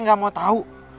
nggak mau tahu